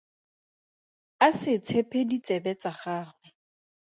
A se tshepe ditsebe tsa gagwe.